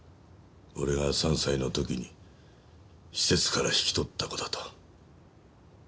俺が３歳の時に施設から引き取った子だと。